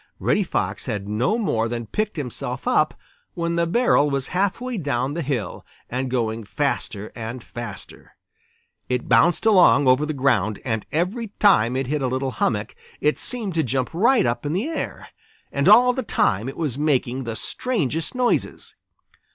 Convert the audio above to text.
Reddy Fox had no more than picked himself up when the barrel was half way down the hill and going faster and faster. It bounced along over the ground, and every time it hit a little hummock it seemed to jump right up in the air. And all the time it was making the strangest noises.